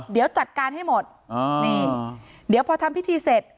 เดี๋ยวจัดการให้หมดนี่เดี๋ยวพอทำพิธีเสร็จ